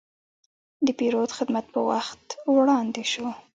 د پیرود خدمت په وخت وړاندې شو.